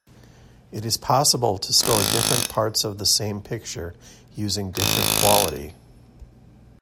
It is possible to store different parts of the same picture using different quality.